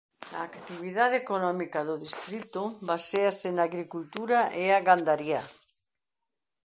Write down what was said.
A actividade económica do distrito baséase na agricultura e a gandaría.